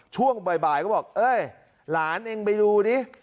ช่วงบ่ายก็บอกเอ้ยหลานเองไปดูดิ